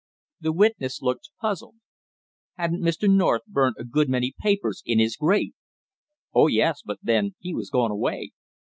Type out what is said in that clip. The witness looked puzzled. "Hadn't Mr. North burnt a good many papers in his grate?" "Oh, yes, but then he was going away."